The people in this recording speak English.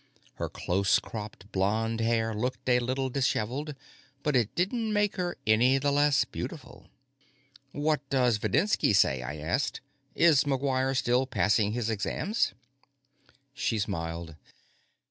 Her close cropped blond hair looked a little disheveled, but it didn't make her any the less beautiful. "What does Videnski say?" I asked. "Is McGuire still passing his exams?" She smiled.